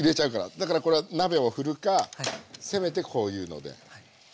だからこれは鍋を振るかせめてこういうので。